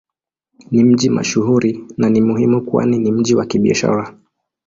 Ni mji mashuhuri na ni muhimu kwani ni mji wa Kibiashara.